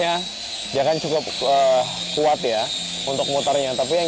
masyarakat sudah cukup kuat untuk memotak daya agar matang